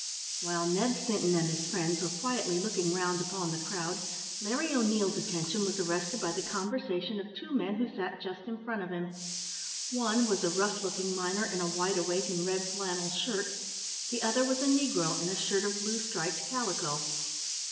While Ned Sinton and his friends were quietly looking round upon the crowd, Larry O'Neil's attention was arrested by the conversation of two men who sat just in front of him. One was a rough looking miner, in a wide awake and red flannel shirt; the other was a negro, in a shirt of blue striped calico.